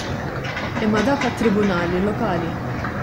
Imma dak tat-Tribunali Lokali.